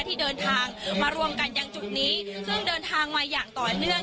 ที่เดินทางมาร่วมกันยังจุดนี้ซึ่งเดินทางมาอย่างต่อเนื่อง